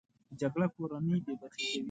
جګړه کورنۍ بې برخې کوي